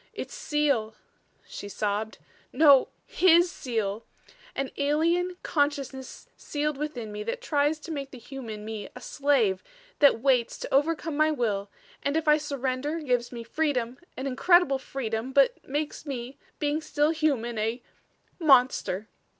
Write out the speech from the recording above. "Its seal," she sobbed. "No HIS seal! An alien consciousness sealed within me, that tries to make the human me a slave that waits to overcome my will and if I surrender gives me freedom, an incredible freedom but makes me, being still human, a monster."